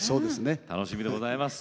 楽しみでございます。